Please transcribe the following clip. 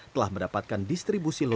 telah mendapatkan distribusi longsor